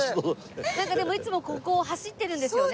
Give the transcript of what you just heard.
なんかでもいつもここを走ってるんですよね？